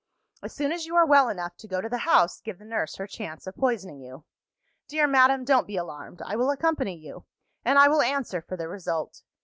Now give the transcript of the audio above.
"As soon as you are well enough to go to the house, give the nurse her chance of poisoning you. "Dear madam, don't be alarmed! I will accompany you; and I will answer for the result.